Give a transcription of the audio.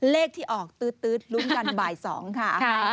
เลขที่ออกตื๊ดลุ้นกันบ่าย๒ค่ะ